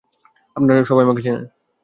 আপনারা সবাই আমাকে চেনেন!